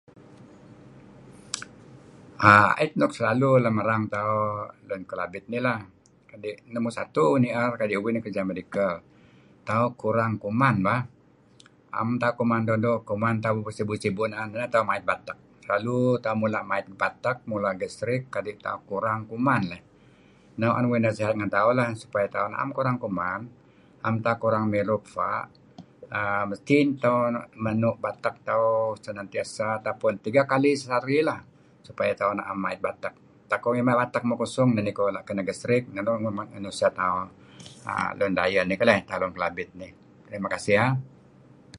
Ait nuk selalu lem erang tauh Lun Kelabit nih lah kadi numur satu uih nier uih kerja medical tauh kurang kuman bah. Naem tauh kuman doo'-doo'. Kuman tauh sibuh-sibuh. Naen neh tau mait batek. Selalu tauh mula' mait batek, tauh mula' gasric kadi' tauh kurang kuman leyh. Noh uih nasihat ngen tauh leyh supayah tauh naem kurang kuman, naem tauh kurang mirup fa' uhm mesti tauh menu' batek tauh senetiasa tauh atau pun tiga kali sehari lah supaya tauh naem mait batek. Tak uih mala batek muh kusong neh belaan kuh gastric. Neh nuk nuseh tauh. Lun dayeh nih keleh, Lun Kelabit nih. Terima kasih ah.